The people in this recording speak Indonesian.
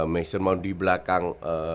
mason mount di belakang